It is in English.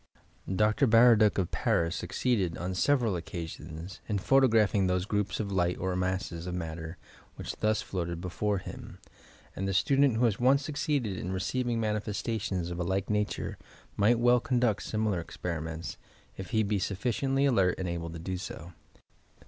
Dr. Baradue of Paris succeeded, on several oecaaioiis, in photographing those groups of light or masses of matter which thus floated before him, and the student who has once succeeded in receiving manifestations of a lilie nature, might well conduct similar esperimenta, if he be sufficiently alert and able to do so.